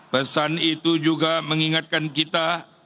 pesan itu juga mengingatkan kita